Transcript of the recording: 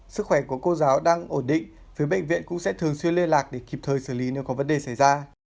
sức khỏe của cô giáo đang ổn định phía bệnh viện cũng sẽ thường xuyên liên lạc để kịp thời xử lý nếu có vấn đề xảy ra